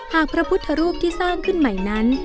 พระพุทธรูปที่สร้างขึ้นใหม่นั้น